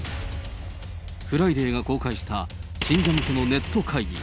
フライデーが公開した信者向けのネット会議。